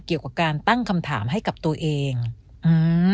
เกี่ยวกับการตั้งคำถามให้กับตัวเองอืม